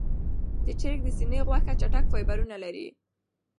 د چرګ د سینې غوښه چټک فایبرونه لري.